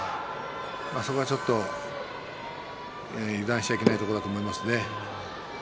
それは、ちょっと油断しちゃいけないところだと思いますね。